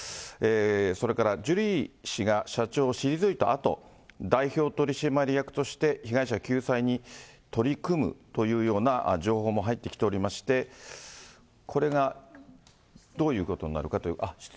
それからジュリー氏が社長を退いたあと、代表取締役として被害者救済に取り組むというような情報も入ってきておりまして、これが、どういうことになるかという。